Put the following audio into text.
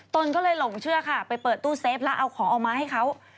ตนก็เลยหลงเชื่อค่ะไปเปิดตู้เซฟแล้วเอาของเอามาให้เขา